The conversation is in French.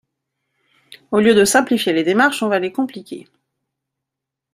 Au lieu de simplifier les démarches, on va les compliquer.